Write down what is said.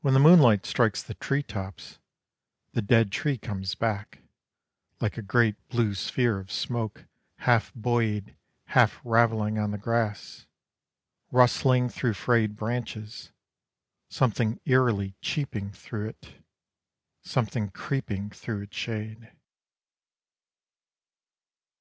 When the moonlight strikes the tree tops That dead tree comes back; Like a great blue sphere of smoke Half buoyed, half ravelling on the grass, Rustling through frayed Branches, Something eerily cheeping through it, Something creeping through its shade.